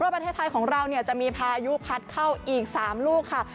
ว่าประเทศไทยของเราเนี่ยจะมีพายุพัดเข้าอีกสามลูกค่ะ